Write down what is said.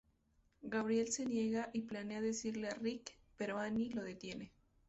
Gabriel se niega y planea decirle a Rick, pero Anne lo detiene.